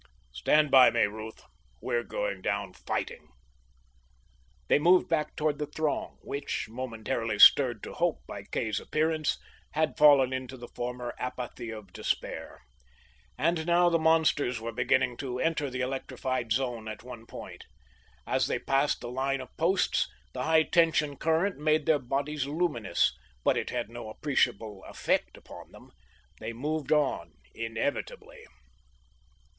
"Stand by me, Ruth. We're going down fighting." They moved back toward the throng, which, momentarily stirred to hope by Kay's appearance, had fallen into the former apathy of despair. And now the monsters were beginning to enter the electrified zone at one point. As they passed the line of posts, the high tension current made their bodies luminous, but it had no appreciable effect upon them. They moved on, inevitably.